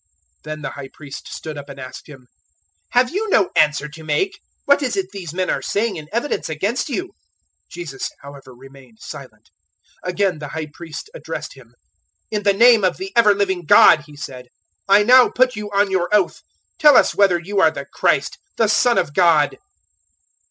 '" 026:062 Then the High Priest stood up and asked Him, "Have you no answer to make? What is it these men are saying in evidence against you?" 026:063 Jesus however remained silent. Again the High Priest addressed Him. "In the name of the ever living God," he said, "I now put you on your oath. Tell us whether you are the Christ, the Son of God."